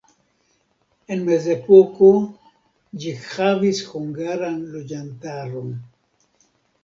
En mezepoko ĝi havis hungaran loĝantaron.